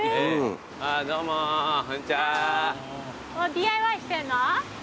ＤＩＹしてんの？